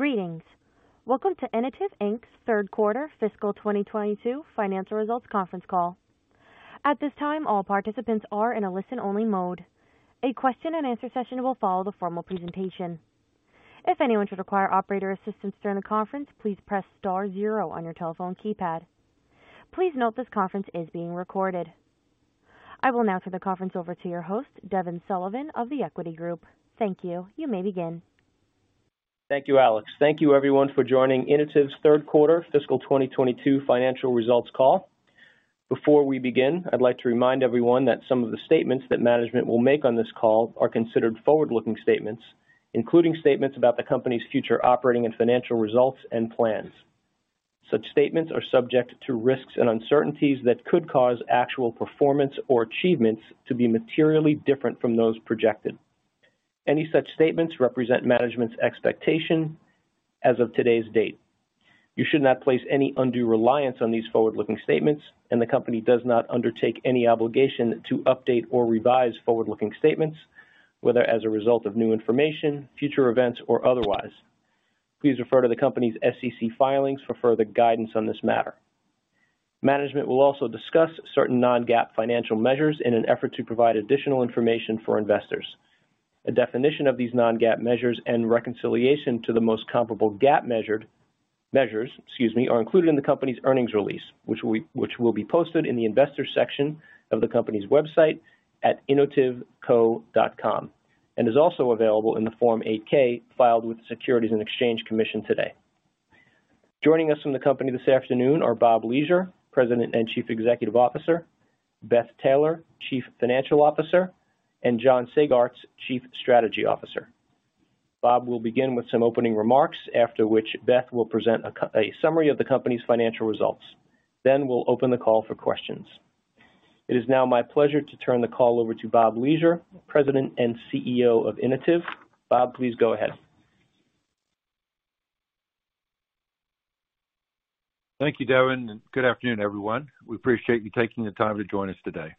Greetings. Welcome to Inotiv, Inc.'s third quarter fiscal year 2022 financial results conference call. At this time, all participants are in a listen-only mode. A question and answer session will follow the formal presentation. If anyone should require operator assistance during the conference, please press star zero on your telephone keypad. Please note this conference is being recorded. I will now turn the conference over to your host, Devin Sullivan of The Equity Group. Thank you. You may begin. Thank you, Alex. Thank you, everyone, for joining Inotiv's third quarter fiscal year 2022 financial results call. Before we begin, I'd like to remind everyone that some of the statements that management will make on this call are considered forward-looking statements, including statements about the company's future operating and financial results and plans. Such statements are subject to risks and uncertainties that could cause actual performance or achievements to be materially different from those projected. Any such statements represent management's expectation as of today's date. You should not place any undue reliance on these forward-looking statements, and the company does not undertake any obligation to update or revise forward-looking statements, whether as a result of new information, future events, or otherwise. Please refer to the company's SEC filings for further guidance on this matter. Management will also discuss certain non-GAAP financial measures in an effort to provide additional information for investors. A definition of these non-GAAP measures and reconciliation to the most comparable GAAP measures, excuse me, are included in the company's earnings release, which will be posted in the Investors section of the company's website at inotiv.com, and is also available in the Form 8-K filed with the Securities and Exchange Commission today. Joining us from the company this afternoon are Bob Leasure, President and Chief Executive Officer, Beth Taylor, Chief Financial Officer, and John Sagartz, Chief Strategy Officer. Bob will begin with some opening remarks, after which Beth will present a summary of the company's financial results. Then we'll open the call for questions. It is now my pleasure to turn the call over to Bob Leasure, President and CEO of Inotiv. Bob, please go ahead. Thank you, Devin, and good afternoon, everyone. We appreciate you taking the time to join us today.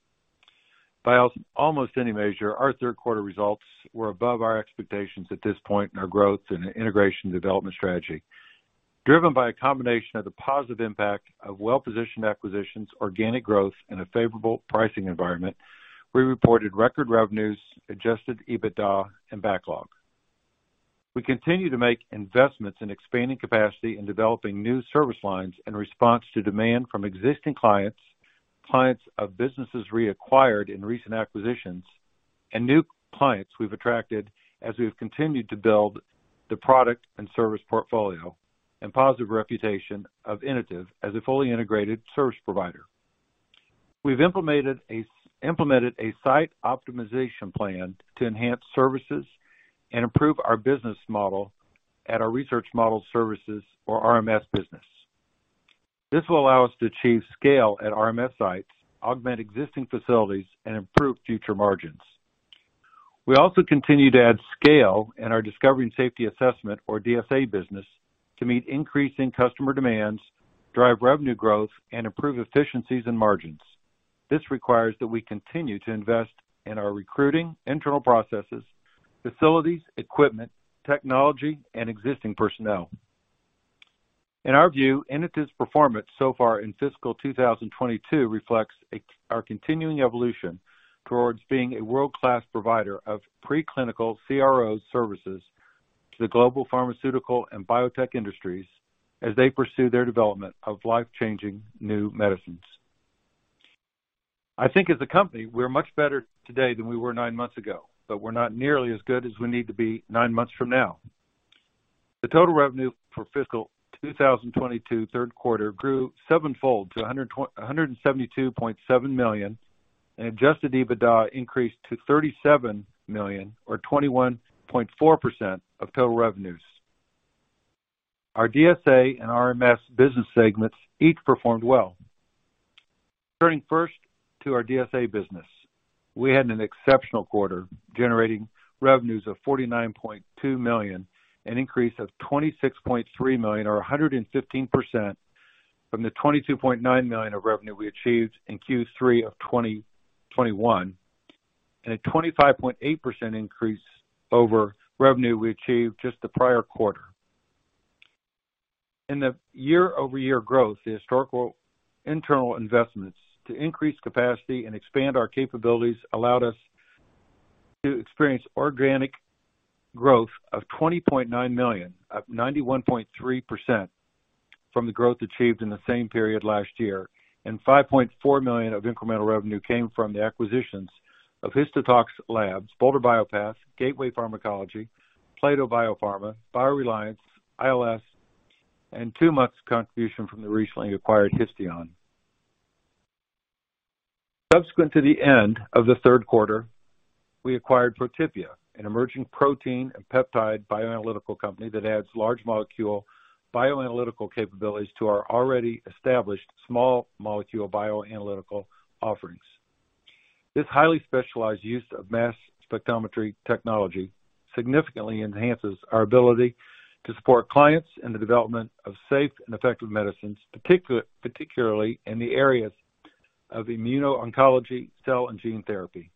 By almost any measure, our third quarter results were above our expectations at this point in our growth and integration development strategy. Driven by a combination of the positive impact of well-positioned acquisitions, organic growth, and a favorable pricing environment, we reported record revenues, adjusted EBITDA, and backlog. We continue to make investments in expanding capacity and developing new service lines in response to demand from existing clients of businesses reacquired in recent acquisitions, and new clients we've attracted as we've continued to build the product and service portfolio and positive reputation of Inotiv as a fully integrated service provider. We've implemented a site optimization plan to enhance services and improve our business model at our Research Model Services or RMS business. This will allow us to achieve scale at RMS sites, augment existing facilities, and improve future margins. We also continue to add scale in our Discovery and Safety Assessment, or DSA business, to meet increasing customer demands, drive revenue growth, and improve efficiencies and margins. This requires that we continue to invest in our recruiting, internal processes, facilities, equipment, technology, and existing personnel. In our view, Inotiv's performance so far in fiscal year 2022 reflects our continuing evolution towards being a world-class provider of pre-clinical CRO services to the global pharmaceutical and biotech industries as they pursue their development of life-changing new medicines. I think as a company, we're much better today than we were nine months ago, but we're not nearly as good as we need to be nine months from now. The total revenue for fiscal year 2022 third quarter grew sevenfold to $172.7 million, and adjusted EBITDA increased to $37 million or 21.4% of total revenues. Our DSA and RMS business segments each performed well. Turning first to our DSA business, we had an exceptional quarter, generating revenues of $49.2 million, an increase of $26.3 million or 115% from the $22.9 million of revenue we achieved in Q3 of 2021, and a 25.8% increase over revenue we achieved just the prior quarter. In the year-over-year growth, the historical internal investments to increase capacity and expand our capabilities allowed us to experience organic growth of $20.9 million, up 91.3% from the growth achieved in the same period last year, and $5.4 million of incremental revenue came from the acquisitions of HistoTox Labs, Bolder BioPATH, Gateway Pharmacology Laboratories, Plato BioPharma, BioReliance, ILS, and two months contribution from the recently acquired Histion. Subsequent to the end of the third quarter, we acquired Protypia, an emerging protein and peptide bioanalytical company that adds large molecule bioanalytical capabilities to our already established small molecule bioanalytical offerings. This highly specialized use of mass spectrometry technology significantly enhances our ability to support clients in the development of safe and effective medicines, particularly in the areas of immuno-oncology, cell and gene therapy.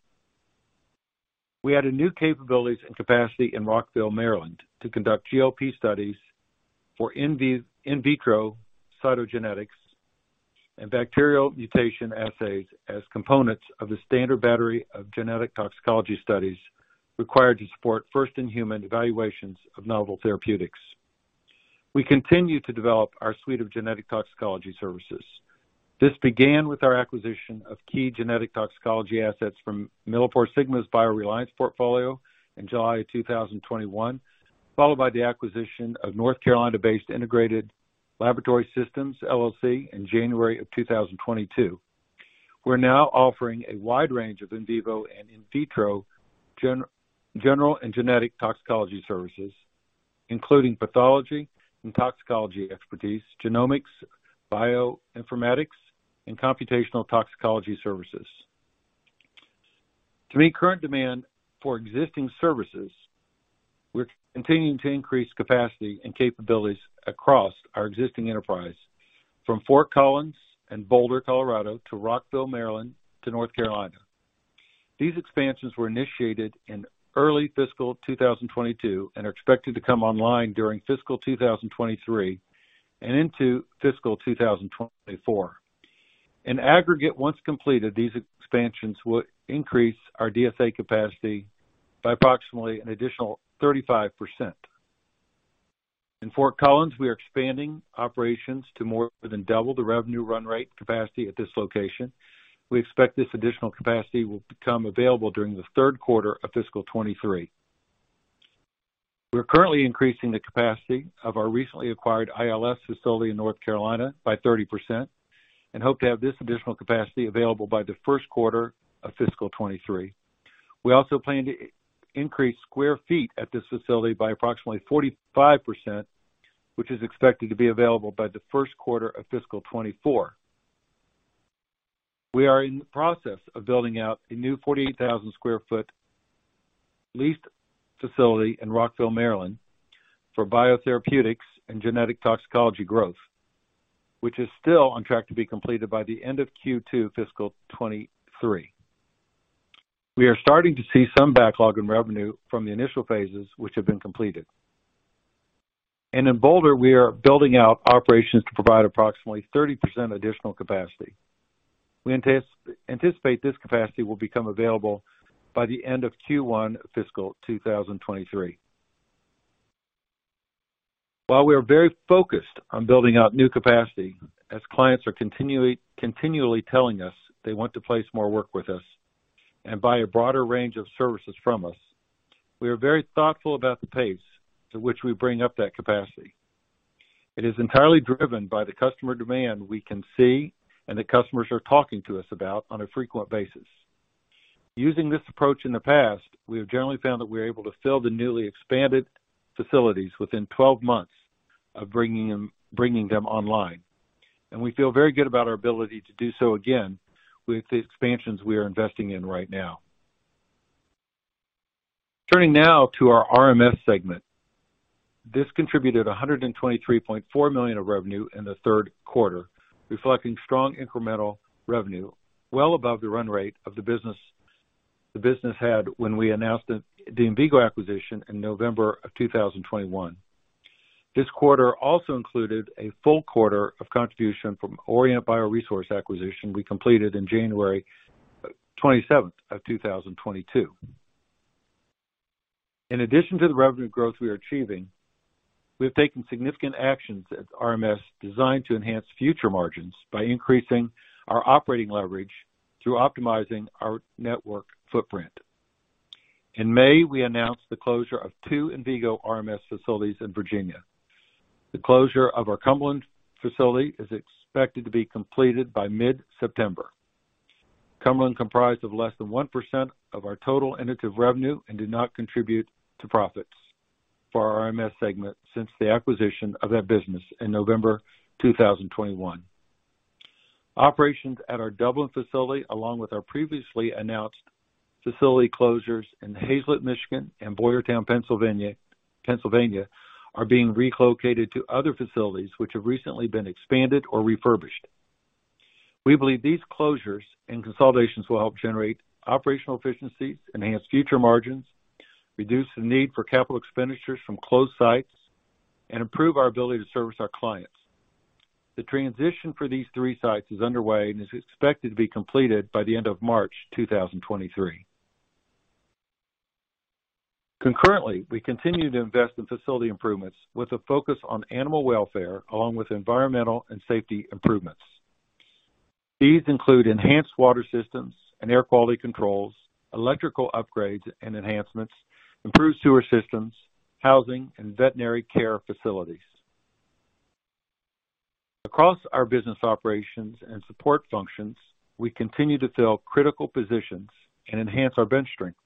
We added new capabilities and capacity in Rockville, Maryland, to conduct GLP studies for in vitro cytogenetics and bacterial mutation assays as components of the standard battery of genetic toxicology studies required to support first-in-human evaluations of novel therapeutics. We continue to develop our suite of genetic toxicology services. This began with our acquisition of key genetic toxicology assets from MilliporeSigma's BioReliance portfolio in July of 2021, followed by the acquisition of North Carolina-based Integrated Laboratory Systems, LLC in January of 2022. We're now offering a wide range of in vivo and in vitro general and genetic toxicology services, including pathology and toxicology expertise, genomics, bioinformatics, and computational toxicology services. To meet current demand for existing services, we're continuing to increase capacity and capabilities across our existing enterprise from Fort Collins and Boulder, Colorado, to Rockville, Maryland to North Carolina. These expansions were initiated in early fiscal year 2022 and are expected to come online during fiscal year 2023 and into fiscal year 2024. In aggregate, once completed, these expansions will increase our DSA capacity by approximately an additional 35%. In Fort Collins, we are expanding operations to more than double the revenue run rate capacity at this location. We expect this additional capacity will become available during the third quarter of fiscal year 2023. We're currently increasing the capacity of our recently acquired ILS facility in North Carolina by 30% and hope to have this additional capacity available by the first quarter of fiscal year 2023. We also plan to increase square feet at this facility by approximately 45%, which is expected to be available by the first quarter of fiscal year 2024. We are in the process of building out a new 48,000 sq ft leased facility in Rockville, Maryland, for biotherapeutics and genetic toxicology growth, which is still on track to be completed by the end of Q2 fiscal year 2023. We are starting to see some backlog in revenue from the initial phases which have been completed. In Boulder, we are building out operations to provide approximately 30% additional capacity. We anticipate this capacity will become available by the end of Q1 fiscal year 2023. While we are very focused on building out new capacity, as clients are continually telling us they want to place more work with us and buy a broader range of services from us, we are very thoughtful about the pace to which we bring up that capacity. It is entirely driven by the customer demand we can see and the customers are talking to us about on a frequent basis. Using this approach in the past, we have generally found that we are able to fill the newly expanded facilities within 12 months of bringing them online. We feel very good about our ability to do so again with the expansions we are investing in right now. Turning now to our RMS segment. This contributed $123.4 million of revenue in the third quarter, reflecting strong incremental revenue well above the run rate of the business the business had when we announced the Envigo acquisition in November 2021. This quarter also included a full quarter of contribution from Orient BioResource acquisition we completed in January 27, 2022. In addition to the revenue growth we are achieving, we have taken significant actions at RMS designed to enhance future margins by increasing our operating leverage through optimizing our network footprint. In May, we announced the closure of two Envigo RMS facilities in Virginia. The closure of our Cumberland facility is expected to be completed by mid-September. Cumberland comprised of less than 1% of our total Inotiv revenue and did not contribute to profits for our RMS segment since the acquisition of that business in November 2021. Operations at our Dublin facility, along with our previously announced facility closures in Haslett, Michigan, and Boyertown, Pennsylvania, are being relocated to other facilities which have recently been expanded or refurbished. We believe these closures and consolidations will help generate operational efficiencies, enhance future margins, reduce the need for capital expenditures from closed sites, and improve our ability to service our clients. The transition for these three sites is underway and is expected to be completed by the end of March 2023. Concurrently, we continue to invest in facility improvements with a focus on animal welfare, along with environmental and safety improvements. These include enhanced water systems and air quality controls, electrical upgrades and enhancements, improved sewer systems, housing, and veterinary care facilities. Across our business operations and support functions, we continue to fill critical positions and enhance our bench strength.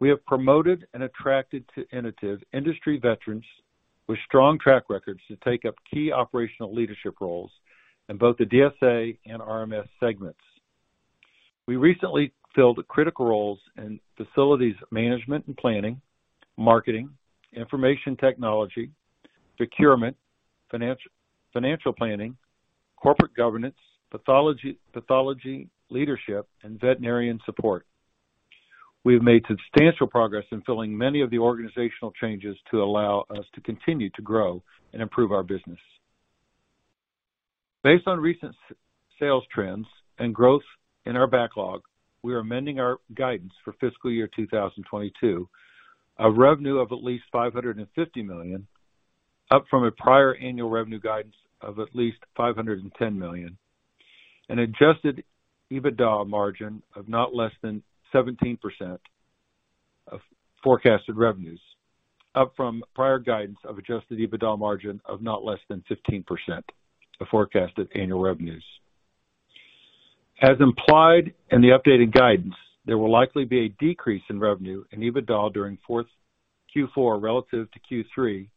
We have promoted and attracted to Inotiv industry veterans with strong track records to take up key operational leadership roles in both the DSA and RMS segments. We recently filled critical roles in facilities management and planning, marketing, information technology, procurement, financial planning, corporate governance, pathology, leadership, and veterinary support. We have made substantial progress in filling many of the organizational changes to allow us to continue to grow and improve our business. Based on recent sales trends and growth in our backlog, we are amending our guidance for fiscal year 2022, a revenue of at least $550 million, up from a prior annual revenue guidance of at least $510 million. An adjusted EBITDA margin of not less than 17% of forecasted revenues, up from prior guidance of adjusted EBITDA margin of not less than 15% of forecasted annual revenues. As implied in the updated guidance, there will likely be a decrease in revenue and EBITDA during Q4 relative to Q3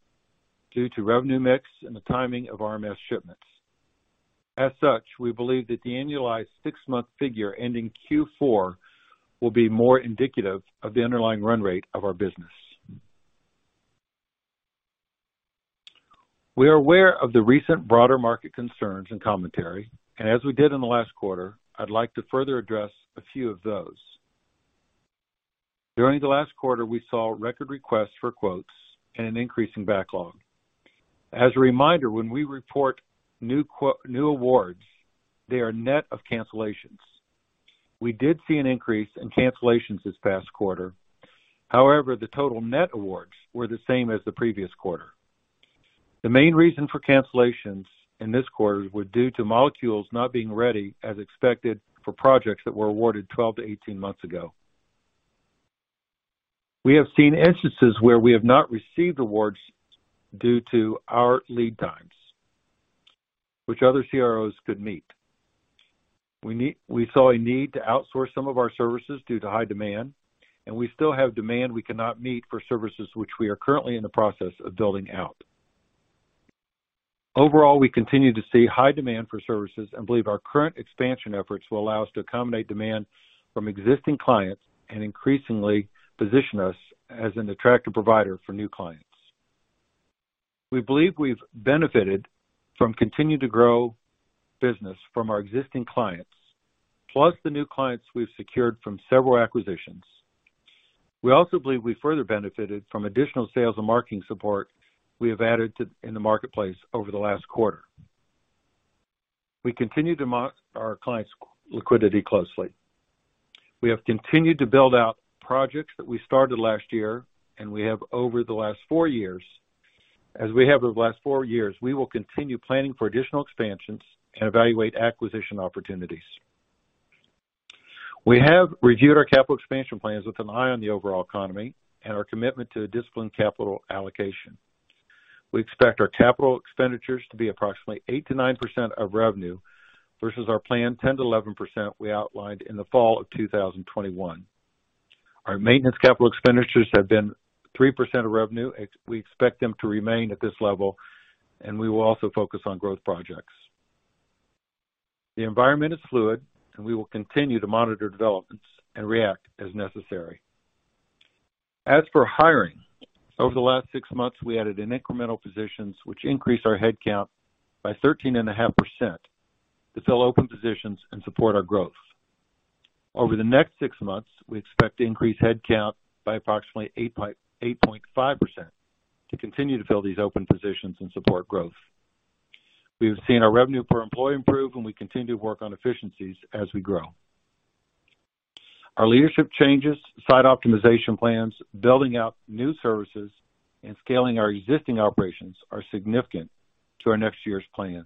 due to revenue mix and the timing of RMS shipments. As such, we believe that the annualized six-month figure ending Q4 will be more indicative of the underlying run rate of our business. We are aware of the recent broader market concerns and commentary, and as we did in the last quarter, I'd like to further address a few of those. During the last quarter, we saw record requests for quotes and an increase in backlog. As a reminder, when we report new awards, they are net of cancellations. We did see an increase in cancellations this past quarter. However, the total net awards were the same as the previous quarter. The main reason for cancellations in this quarter were due to molecules not being ready as expected for projects that were awarded 12-18 months ago. We have seen instances where we have not received awards due to our lead times, which other CROs could meet. We saw a need to outsource some of our services due to high demand, and we still have demand we cannot meet for services which we are currently in the process of building out. Overall, we continue to see high demand for services and believe our current expansion efforts will allow us to accommodate demand from existing clients and increasingly position us as an attractive provider for new clients. We believe we've benefited from continued growth from our existing clients, plus the new clients we've secured from several acquisitions. We also believe we further benefited from additional sales and marketing support we have added in the marketplace over the last quarter. We continue to monitor our clients' liquidity closely. We have continued to build out projects that we started last year and over the last four years. As we have over the last four years, we will continue planning for additional expansions and evaluate acquisition opportunities. We have reviewed our capital expansion plans with an eye on the overall economy and our commitment to a disciplined capital allocation. We expect our capital expenditures to be approximately 8%-9% of revenue versus our planned 10%-11% we outlined in the fall of 2021. Our maintenance capital expenditures have been 3% of revenue. We expect them to remain at this level, and we will also focus on growth projects. The environment is fluid, and we will continue to monitor developments and react as necessary. As for hiring, over the last six months, we added in incremental positions, which increased our headcount by 13.5% to fill open positions and support our growth. Over the next six months, we expect to increase headcount by approximately 8.5% to continue to fill these open positions and support growth. We have seen our revenue per employee improve, and we continue to work on efficiencies as we grow. Our leadership changes, site optimization plans, building out new services, and scaling our existing operations are significant to our next year's plans.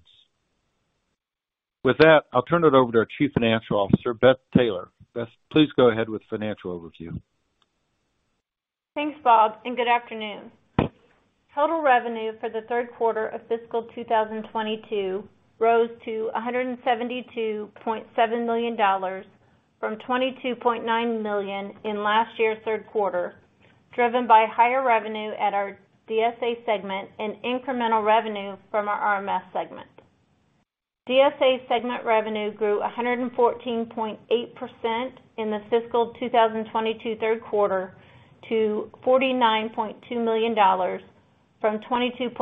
With that, I'll turn it over to our Chief Financial Officer, Beth Taylor. Beth, please go ahead with the financial overview. Thanks, Bob, and good afternoon. Total revenue for the third quarter of fiscal year 2022 rose to $172.7 million from $22.9 million in last year's third quarter, driven by higher revenue at our DSA segment and incremental revenue from our RMS segment. DSA segment revenue grew 114.8% in the fiscal year 2022 third quarter to $49.2 million from $22.9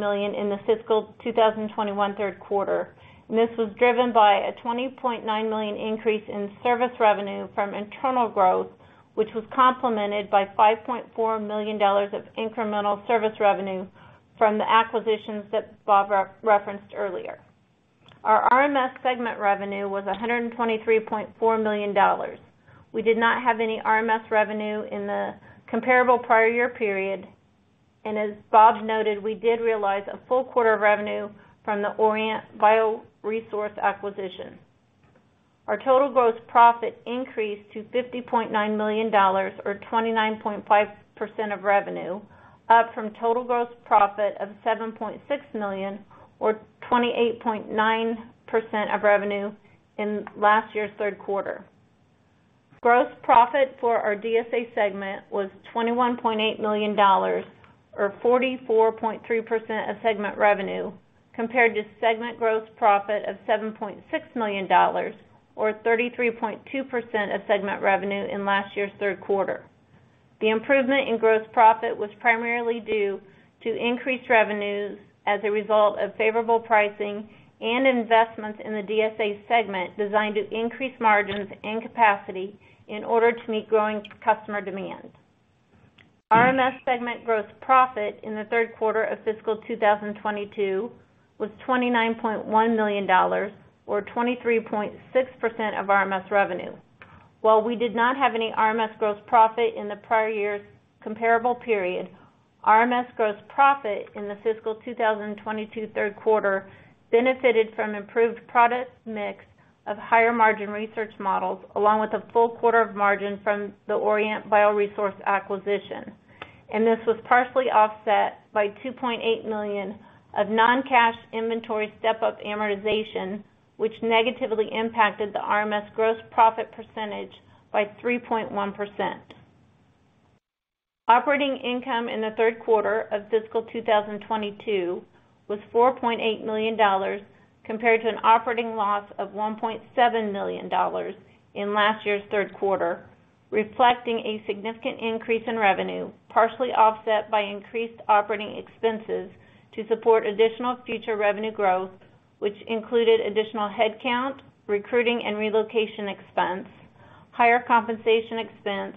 million in the fiscal year 2021 third quarter. This was driven by a $20.9 million increase in service revenue from internal growth, which was complemented by $5.4 million of incremental service revenue from the acquisitions that Bob referenced earlier. Our RMS segment revenue was $123.4 million. We did not have any RMS revenue in the comparable prior year period, and as Bob noted, we did realize a full quarter of revenue from the Orient BioResource acquisition. Our total gross profit increased to $50.9 million or 29.5% of revenue, up from total gross profit of $7.6 million or 28.9% of revenue in last year's third quarter. Gross profit for our DSA segment was $21.8 million or 44.3% of segment revenue, compared to segment gross profit of $7.6 million or 33.2% of segment revenue in last year's third quarter. The improvement in gross profit was primarily due to increased revenues as a result of favorable pricing and investments in the DSA segment designed to increase margins and capacity in order to meet growing customer demand. RMS segment gross profit in the third quarter of fiscal year 2022 was $29.1 million, or 23.6% of RMS revenue. While we did not have any RMS gross profit in the prior year's comparable period, RMS gross profit in the fiscal year 2022 third quarter benefited from improved product mix of higher margin research models, along with a full quarter of margin from the Orient BioResource acquisition. This was partially offset by $2.8 million of non-cash inventory step-up amortization, which negatively impacted the RMS gross profit percentage by 3.1%. Operating income in the third quarter of fiscal year 2022 was $4.8 million compared to an operating loss of $1.7 million in last year's third quarter, reflecting a significant increase in revenue, partially offset by increased operating expenses to support additional future revenue growth, which included additional headcount, recruiting and relocation expense, higher compensation expense,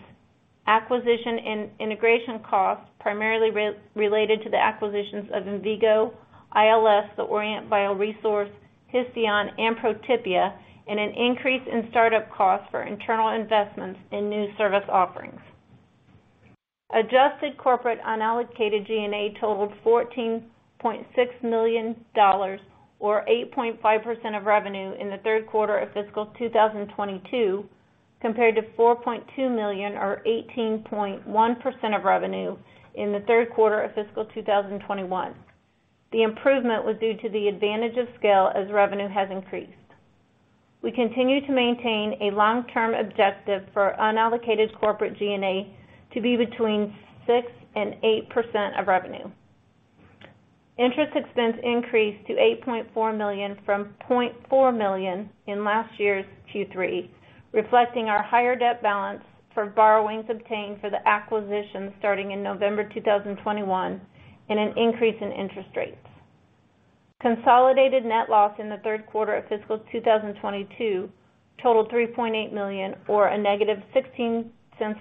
acquisition and integration costs, primarily related to the acquisitions of Envigo, ILS, Orient BioResource, Histion, and Protypia, and an increase in startup costs for internal investments in new service offerings. Adjusted corporate unallocated G&A totaled $14.6 million or 8.5% of revenue in the third quarter of fiscal year 2022, compared to $4.2 million or 18.1% of revenue in the third quarter of fiscal year 2021. The improvement was due to the advantage of scale as revenue has increased. We continue to maintain a long-term objective for unallocated corporate G&A to be between 6%-8% of revenue. Interest expense increased to $8.4 million from $0.4 million in last year's Q3, reflecting our higher debt balance for borrowings obtained for the acquisition starting in November 2021 and an increase in interest rates. Consolidated net loss in the third quarter of fiscal year 2022 totaled $3.8 million, or -$0.16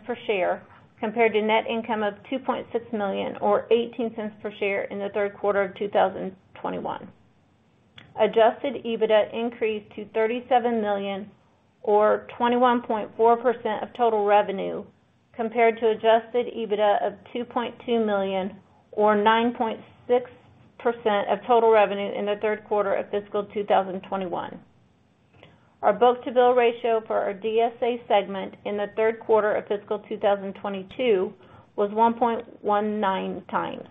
per share, compared to net income of $2.6 million or $0.18 per share in the third quarter of 2021. Adjusted EBITDA increased to $37 million or 21.4% of total revenue compared to adjusted EBITDA of $2.2 million or 9.6% of total revenue in the third quarter of fiscal year 2021. Our book-to-bill ratio for our DSA segment in the third quarter of fiscal year 2022 was 1.19x.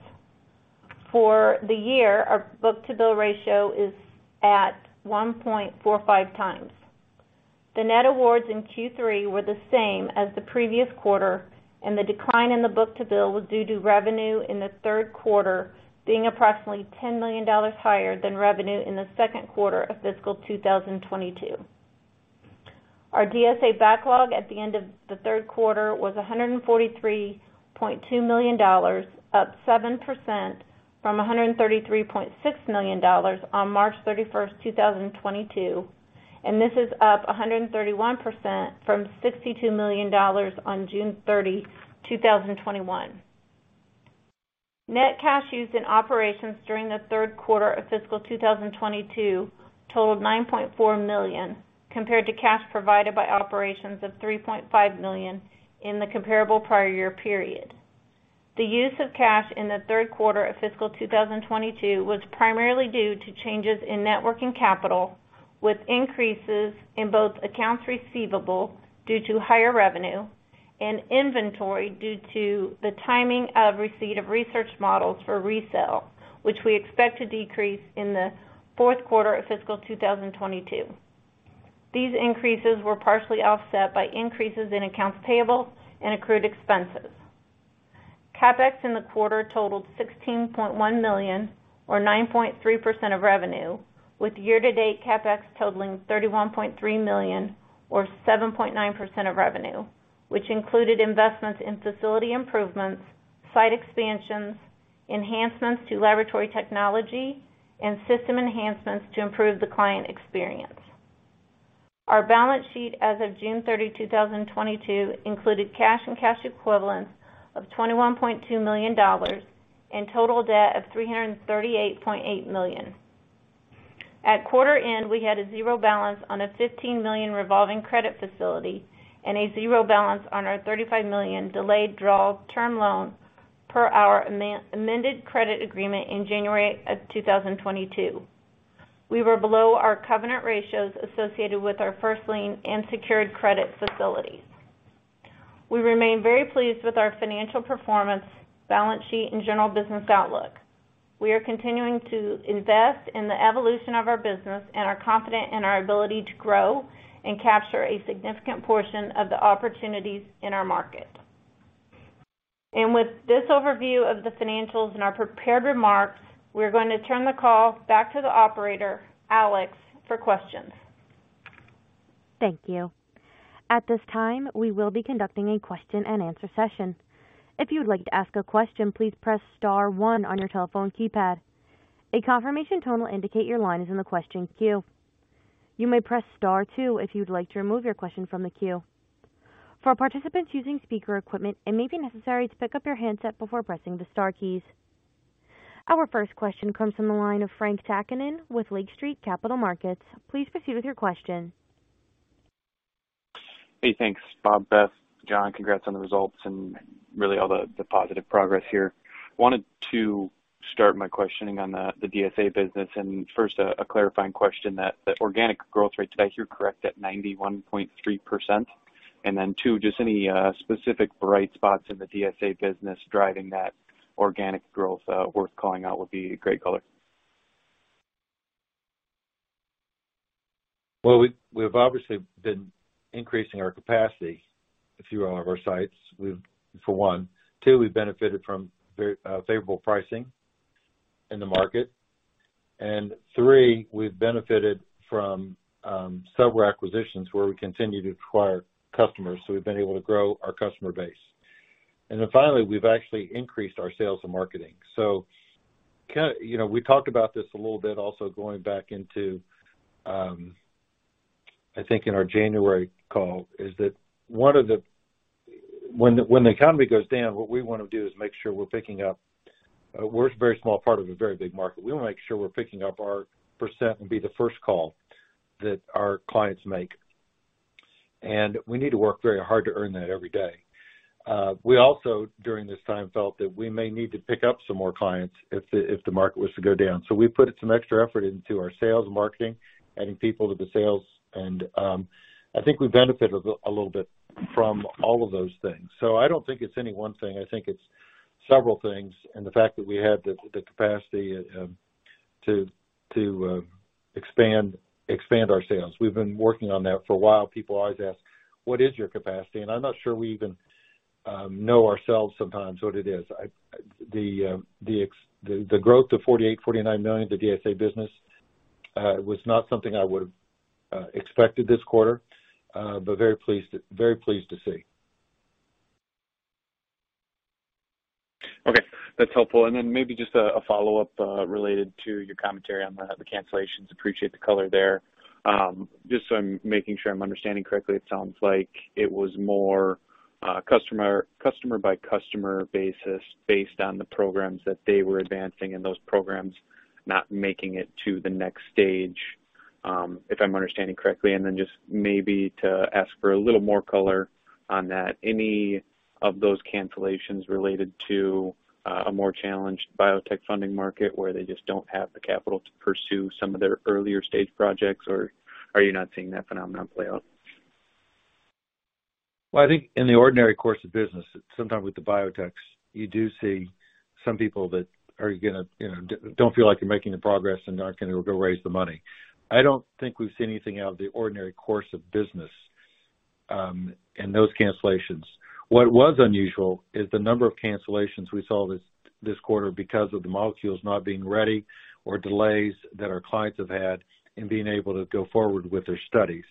For the year, our book-to-bill ratio is at 1.45x. The net awards in Q3 were the same as the previous quarter, and the decline in the book-to-bill was due to revenue in the third quarter being approximately $10 million higher than revenue in the second quarter of fiscal year 2022. Our DSA backlog at the end of the third quarter was $143.2 million, up 7% from $133.6 million on March 31, 2022, and this is up 131% from $62 million on June 30, 2021. Net cash used in operations during the third quarter of fiscal year 2022 totaled $9.4 million, compared to cash provided by operations of $3.5 million in the comparable prior year period. The use of cash in the third quarter of fiscal year 2022 was primarily due to changes in net working capital, with increases in both accounts receivable due to higher revenue and inventory due to the timing of receipt of research models for resale, which we expect to decrease in the fourth quarter of fiscal year 2022. These increases were partially offset by increases in accounts payable and accrued expenses. CapEx in the quarter totaled $16.1 million or 9.3% of revenue, with year-to-date CapEx totaling $31.3 million or 7.9% of revenue, which included investments in facility improvements, site expansions, enhancements to laboratory technology, and system enhancements to improve the client experience. Our balance sheet as of June 30, 2022 included cash and cash equivalents of $21.2 million and total debt of $338.8 million. At quarter end, we had a 0 balance on a $15 million revolving credit facility and a zero balance on our $35 million delayed draw term loan per our amended credit agreement in January of 2022. We were below our covenant ratios associated with our first lien and secured credit facilities. We remain very pleased with our financial performance, balance sheet, and general business outlook. We are continuing to invest in the evolution of our business and are confident in our ability to grow and capture a significant portion of the opportunities in our market. With this overview of the financials and our prepared remarks, we're going to turn the call back to the operator, Alex, for questions. Thank you. At this time, we will be conducting a question-and-answer session. If you would like to ask a question, please press star one on your telephone keypad. A confirmation tone will indicate your line is in the question queue. You may press star two if you'd like to remove your question from the queue. For participants using speaker equipment, it may be necessary to pick up your handset before pressing the star keys. Our first question comes from the line of Frank Takkinen with Lake Street Capital Markets. Please proceed with your question. Hey, thanks. Bob, Beth, John, congrats on the results and really all the positive progress here. Wanted to start my questioning on the DSA business. First, a clarifying question that the organic growth rate, did I hear correct at 91.3%? Then, too, just any specific bright spots in the DSA business driving that organic growth worth calling out would be a great color. Well, we've obviously been increasing our capacity through all of our sites. For one. Two, we've benefited from favorable pricing in the market. Three, we've benefited from several acquisitions where we continue to acquire customers, so we've been able to grow our customer base. Then finally, we've actually increased our sales and marketing. You know, we talked about this a little bit also going back into, I think in our January call, is that one of the. When the economy goes down, what we wanna do is make sure we're picking up, we're a very small part of a very big market. We wanna make sure we're picking up our percent and be the first call that our clients make. We need to work very hard to earn that every day. We also during this time felt that we may need to pick up some more clients if the market was to go down. We put some extra effort into our sales and marketing, adding people to the sales, and I think we benefited a little bit from all of those things. I don't think it's any one thing. I think it's several things and the fact that we have the capacity to expand our sales. We've been working on that for a while. People always ask, "What is your capacity?" I'm not sure we even know ourselves sometimes what it is. The growth of $48 million-$49 million, the DSA business, was not something I would've expected this quarter, but very pleased to see. Okay, that's helpful. Maybe just a follow-up related to your commentary on the cancellations. Appreciate the color there. Just so I'm making sure I'm understanding correctly, it sounds like it was more customer-by-customer basis based on the programs that they were advancing and those programs not making it to the next stage, if I'm understanding correctly. Just maybe to ask for a little more color on that. Any of those cancellations related to a more challenged biotech funding market where they just don't have the capital to pursue some of their earlier stage projects, or are you not seeing that phenomenon play out? Well, I think in the ordinary course of business, sometimes with the biotechs, you do see some people that are gonna, you know, don't feel like they're making the progress and not gonna go raise the money. I don't think we've seen anything out of the ordinary course of business in those cancellations. What was unusual is the number of cancellations we saw this quarter because of the molecules not being ready or delays that our clients have had in being able to go forward with their studies.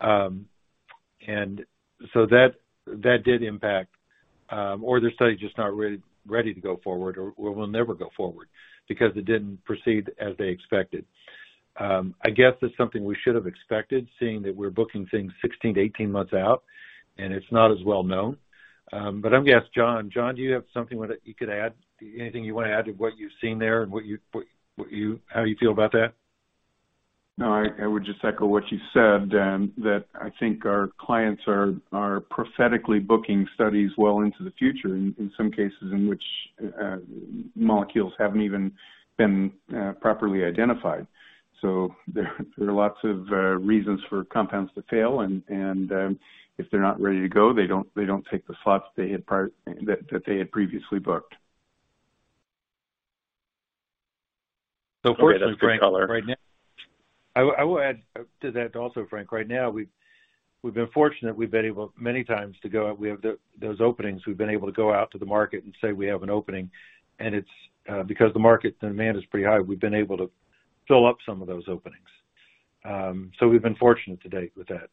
That did impact or their studies just not ready to go forward or will never go forward because it didn't proceed as they expected. I guess that's something we should have expected, seeing that we're booking things 16-18 months out, and it's not as well known. I'm gonna ask John. John, do you have something with it you could add? Anything you wanna add to what you've seen there and what you how you feel about that? No, I would just echo what you said, that I think our clients are proactively booking studies well into the future, in some cases in which molecules haven't even been properly identified. There are lots of reasons for compounds to fail and, if they're not ready to go, they don't take the slots that they had previously booked. Fortunately, Frank. Okay. That's great color. Right now, I will add to that also, Frank. Right now, we've been fortunate. We've been able many times to go out. We have those openings. We've been able to go out to the market and say we have an opening, and it's because the market demand is pretty high, we've been able to fill up some of those openings. We've been fortunate to date with that.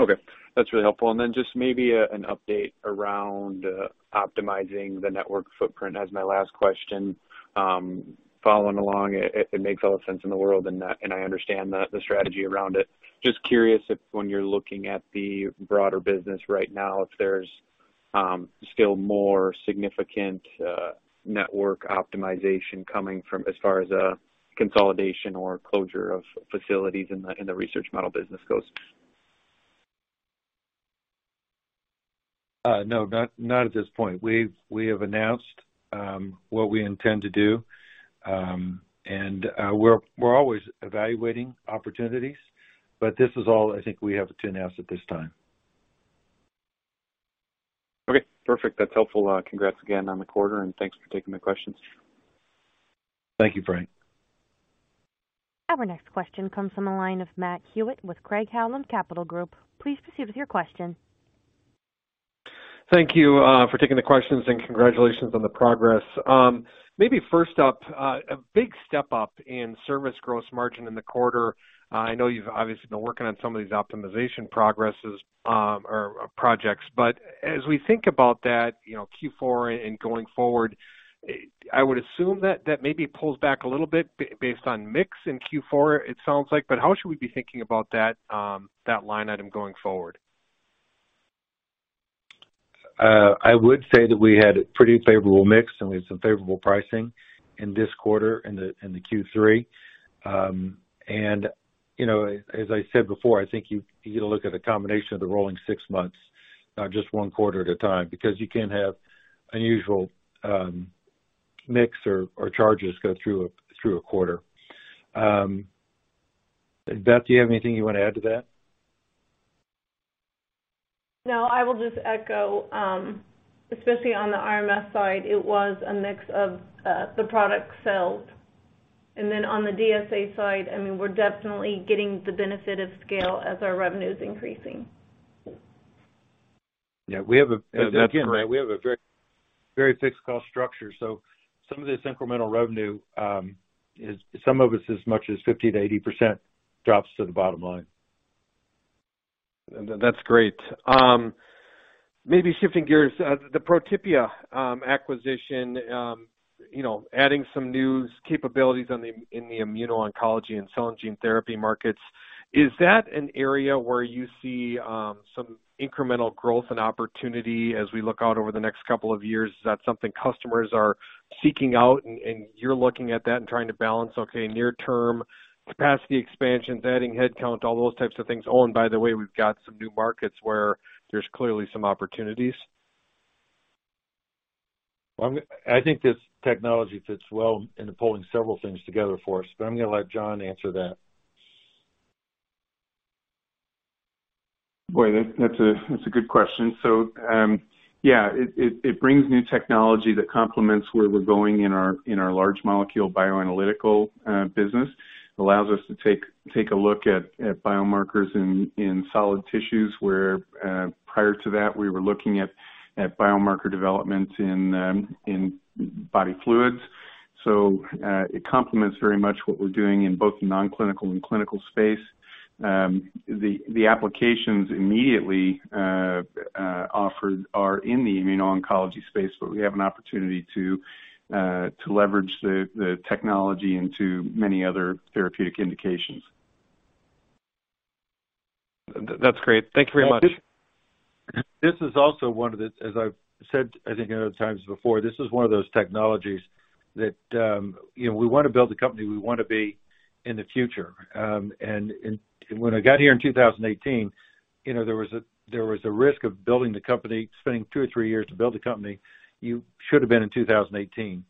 Okay. That's really helpful. Just maybe an update around optimizing the network footprint as my last question. Following along, it makes all sense in the world and I understand the strategy around it. Just curious if when you're looking at the broader business right now, if there's still more significant network optimization coming from as far as consolidation or closure of facilities in the research model business goes. No, not at this point. We have announced what we intend to do. We're always evaluating opportunities, but this is all I think we have to announce at this time. Okay. Perfect. That's helpful. Congrats again on the quarter, and thanks for taking the questions. Thank you, Frank. Our next question comes from the line of Matt Hewitt with Craig-Hallum Capital Group. Please proceed with your question. Thank you for taking the questions and congratulations on the progress. Maybe first up, a big step up in service gross margin in the quarter. I know you've obviously been working on some of these optimization progresses or projects. As we think about that, you know, Q4 and going forward, I would assume that maybe pulls back a little bit based on mix in Q4, it sounds like. How should we be thinking about that line item going forward? I would say that we had a pretty favorable mix and we had some favorable pricing in this quarter, in the Q3. You know, as I said before, I think you gotta look at a combination of the rolling six months, not just one quarter at a time, because you can't have unusual mix or charges go through a quarter. Beth, do you have anything you wanna add to that? No. I will just echo, especially on the RMS side, it was a mix of the products sold. On the DSA side, we're definitely getting the benefit of scale as our revenue's increasing. Yeah. That's great. Again, we have a very, very fixed cost structure, so some of this incremental revenue is some of it's as much as 50%-80% drops to the bottom line. That's great. Maybe shifting gears. The Protypia acquisition, you know, adding some new capabilities in the immuno-oncology and cell and gene therapy markets, is that an area where you see some incremental growth and opportunity as we look out over the next couple of years? Is that something customers are seeking out and you're looking at that and trying to balance near term capacity expansions, adding headcount, all those types of things. Oh, by the way, we've got some new markets where there's clearly some opportunities. Well, I think this technology fits well into pulling several things together for us, but I'm gonna let John answer that. Boy, that's a good question. It brings new technology that complements where we're going in our large molecule bioanalytical business. It allows us to take a look at biomarkers in solid tissues, where prior to that, we were looking at biomarker development in body fluids. It complements very much what we're doing in both the non-clinical and clinical space. The applications immediately offered are in the immuno-oncology space, but we have an opportunity to leverage the technology into many other therapeutic indications. That's great. Thank you very much. This is also one of the. As I've said, I think, other times before, this is one of those technologies that, you know, we wanna build the company we wanna be in the future. When I got here in 2018, you know, there was a risk of building the company, spending two or three years to build a company you should have been in 2018.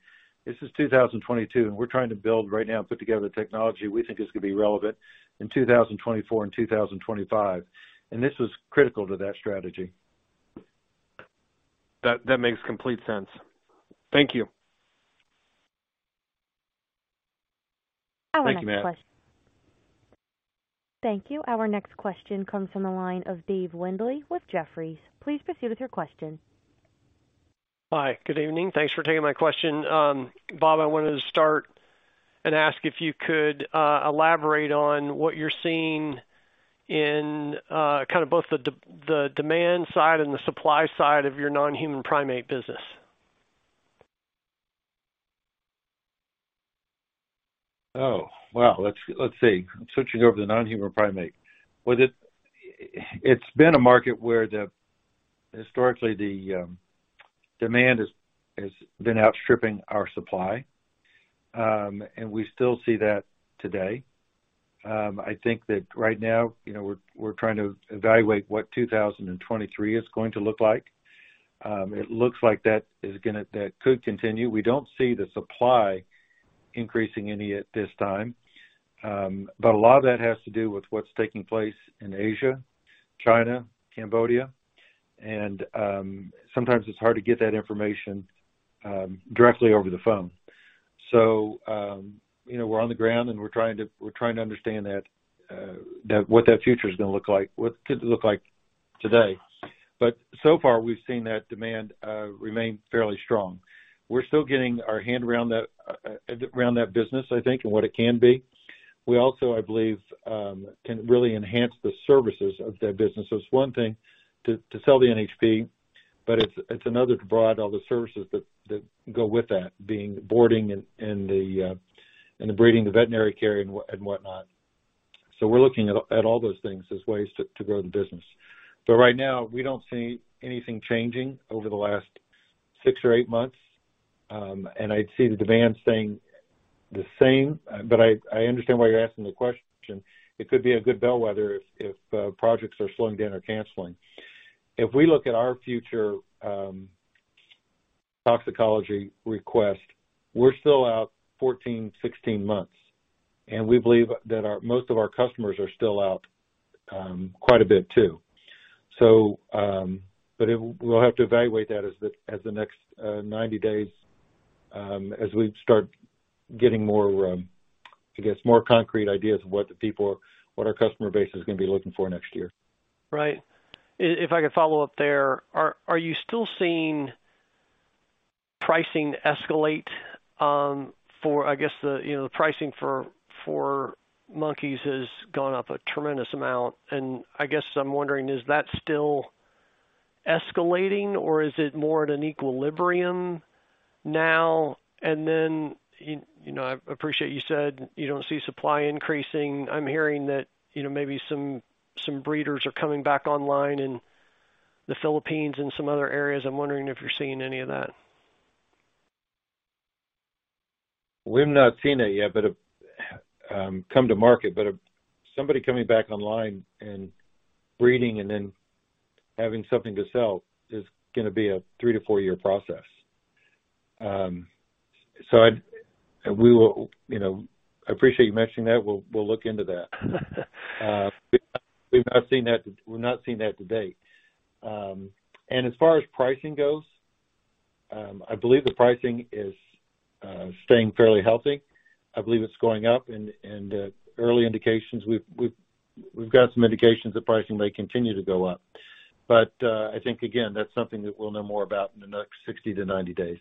This is 2022, and we're trying to build right now and put together the technology we think is gonna be relevant in 2024 and 2025, and this was critical to that strategy. That makes complete sense. Thank you. Thank you, Matt. Our next question. Thank you. Our next question comes from the line of Dave Windley with Jefferies. Please proceed with your question. Hi. Good evening. Thanks for taking my question. Bob, I wanted to start and ask if you could elaborate on what you're seeing in kinda both the demand side and the supply side of your non-human primate business. Oh, wow. Let's see. Switching over to non-human primate. Well, it's been a market where historically the demand has been outstripping our supply. We still see that today. I think that right now, you know, we're trying to evaluate what 2023 is going to look like. It looks like that could continue. We don't see the supply increasing any at this time. But a lot of that has to do with what's taking place in Asia, China, Cambodia. Sometimes it's hard to get that information directly over the phone. You know, we're on the ground, and we're trying to understand what that future is gonna look like, what it could look like today. So far, we've seen that demand remain fairly strong. We're still getting our hand around that around that business, I think, and what it can be. We also, I believe, can really enhance the services of that business. It's one thing to sell the NHP, but it's another to provide all the services that go with that, being the boarding and the breeding, the veterinary care and whatnot. We're looking at all those things as ways to grow the business. Right now, we don't see anything changing over the last six or eight months. I'd see the demand staying the same. I understand why you're asking the question. It could be a good bellwether if projects are slowing down or canceling. If we look at our future toxicology request, we're still out 14-16 months, and we believe that most of our customers are still out quite a bit too. We'll have to evaluate that as the next 90 days as we start getting more, I guess, more concrete ideas of what our customer base is gonna be looking for next year. Right. If I could follow up there, are you still seeing pricing escalate for, I guess the, you know, the pricing for monkeys has gone up a tremendous amount, and I guess I'm wondering, is that still escalating or is it more at an equilibrium now? Then, you know, I appreciate you said you don't see supply increasing. I'm hearing that, you know, maybe some breeders are coming back online in the Philippines and some other areas. I'm wondering if you're seeing any of that. We've not seen it yet, but come to market. If somebody coming back online and breeding and then having something to sell is gonna be a three-four-year process. You know, I appreciate you mentioning that. We'll look into that. We've not seen that. We're not seeing that to date. As far as pricing goes, I believe the pricing is staying fairly healthy. I believe it's going up and early indications we've got some indications the pricing may continue to go up. I think again, that's something that we'll know more about in the next 60-90 days.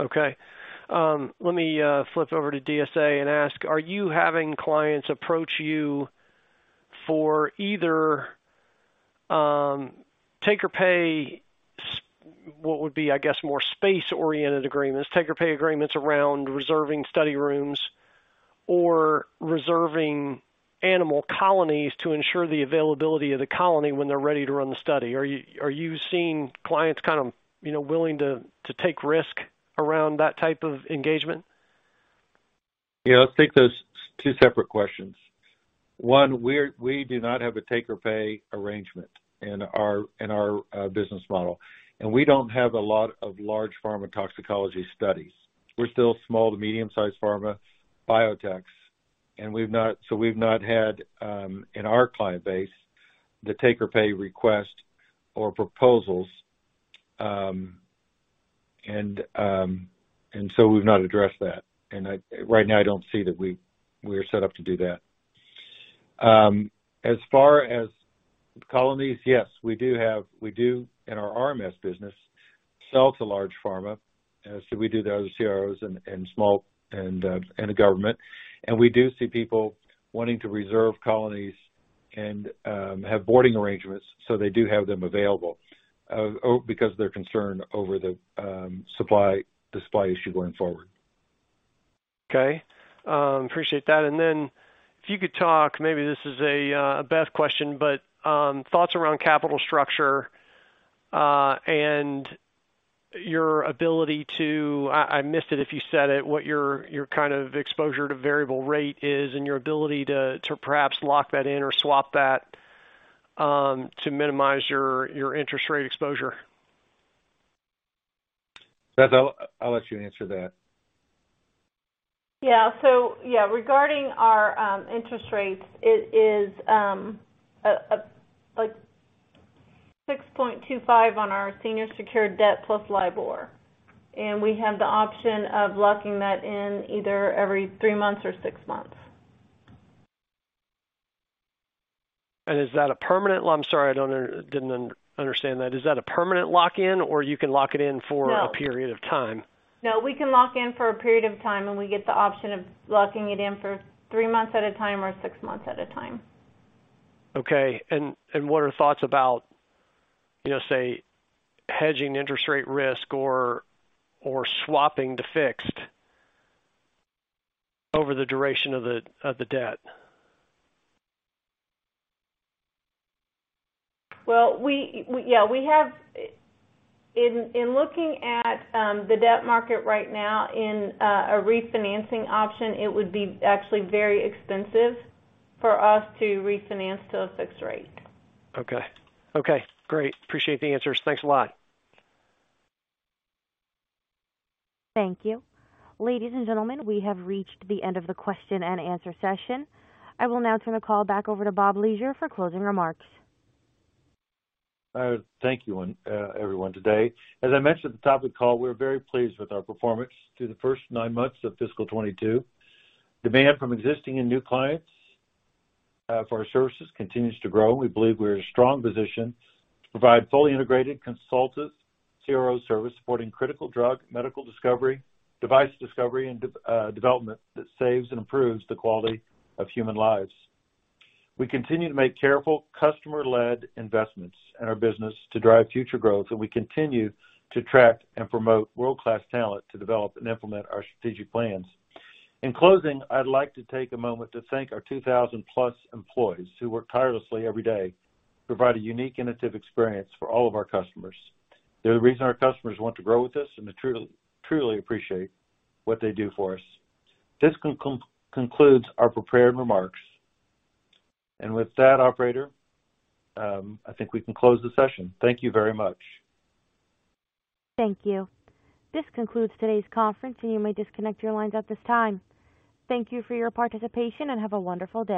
Okay. Let me flip over to DSA and ask, are you having clients approach you for either take-or-pay, what would be, I guess, more space-oriented agreements, take-or-pay agreements around reserving study rooms or reserving animal colonies to ensure the availability of the colony when they're ready to run the study? Are you seeing clients kind of, you know, willing to take risk around that type of engagement? Yeah. I'll take those two separate questions. One, we do not have a take-or-pay arrangement in our business model, and we don't have a lot of large pharma toxicology studies. We're still small to medium-sized pharma biotechs, and we've not had in our client base the take-or-pay request or proposals. We've not addressed that. Right now, I don't see that we are set up to do that. As far as colonies, yes, we do have. We do in our RMS business sell to large pharma. We do those CROs and small and the government. We do see people wanting to reserve colonies and have boarding arrangements, so they do have them available because of their concern over the supply issue going forward. Okay. Appreciate that. Then if you could talk, maybe this is a Beth question, but thoughts around capital structure and your ability to... I missed it if you said it, what your kind of exposure to variable rate is and your ability to perhaps lock that in or swap that to minimize your interest rate exposure. Beth, I'll let you answer that. Regarding our interest rates, it is 6.25 on our senior secured debt plus LIBOR. We have the option of locking that in either every three months or six months. I'm sorry, I didn't understand that. Is that a permanent lock-in or you can lock it in for- No. A period of time? No, we can lock in for a period of time, and we get the option of locking it in for three months at a time or six months at a time. Okay. What are thoughts about, you know, say, hedging interest rate risk or swapping to fixed over the duration of the debt? Well, we have. In looking at the debt market right now in a refinancing option, it would be actually very expensive for us to refinance to a fixed rate. Okay. Okay, great. Appreciate the answers. Thanks a lot. Thank you. Ladies and gentlemen, we have reached the end of the question and answer session. I will now turn the call back over to Bob Leasure for closing remarks. Thank you, everyone today. As I mentioned at the top of the call, we're very pleased with our performance through the first nine months of fiscal year 2022. Demand from existing and new clients for our services continues to grow. We believe we're in a strong position to provide fully integrated consultative CRO service supporting critical drug, medical discovery, device discovery, and development that saves and improves the quality of human lives. We continue to make careful customer-led investments in our business to drive future growth, and we continue to attract and promote world-class talent to develop and implement our strategic plans. In closing, I'd like to take a moment to thank our 2,000+ employees who work tirelessly every day to provide a unique innovative experience for all of our customers. They're the reason our customers want to grow with us, and I truly appreciate what they do for us. This concludes our prepared remarks. With that operator, I think we can close the session. Thank you very much. Thank you. This concludes today's conference, and you may disconnect your lines at this time. Thank you for your participation, and have a wonderful day.